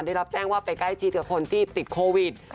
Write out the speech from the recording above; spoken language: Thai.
ได้รับแจ้งว่าไปใกล้ชิดกับคนที่ติดโควิด